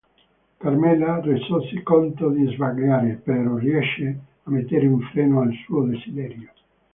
Carmela, resosi conto di sbagliare, però riesce a mettere un freno al suo desiderio.